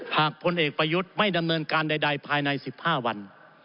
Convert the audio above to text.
พลเอกประยุทธ์ไม่ดำเนินการใดภายใน๑๕วัน